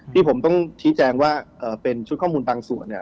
ที่ผมต้องชี้แจงว่าเป็นชุดข้อมูลบางส่วนเนี่ย